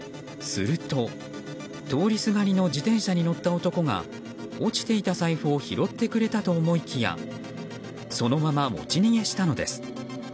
すると通りすがりの自転車に乗った男が落ちていた財布を拾ってくれたと思いきやそのまま持ち逃げしたのです。